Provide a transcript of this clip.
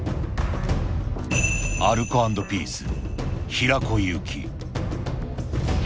アルコ＆ピース・平子祐希。